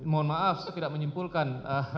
mohon maaf saya tidak menyimpulkan